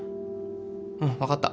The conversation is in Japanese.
うん分かった。